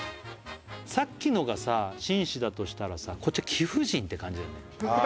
さっきのが紳士だとしたらこっちは貴婦人って感じだよね